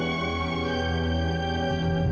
dan pernikahan dengan fadl dibatalkan